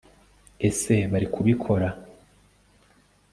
ese bari kubikora